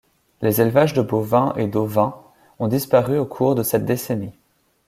Les élevages de bovins et d'ovins ont disparu au cours de cette décennie.